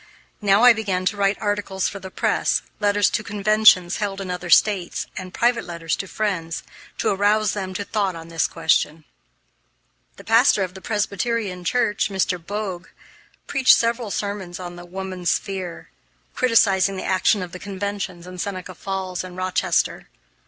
Now I began to write articles for the press, letters to conventions held in other States, and private letters to friends, to arouse them to thought on this question. The pastor of the Presbyterian Church, Mr. Bogue, preached several sermons on Woman's Sphere, criticising the action of the conventions in Seneca Falls and Rochester.